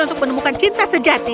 untuk menemukan cinta sejati